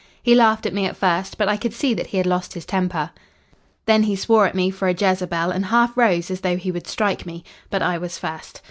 He laughed at me at first, but I could see that he had lost his temper. Then he swore at me for a Jezebel, and half rose as though he would strike me. But I was first.